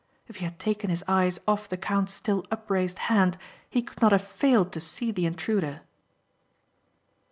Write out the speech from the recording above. If he had taken his eyes off the count's still upraised hand he could not have failed to see the intruder.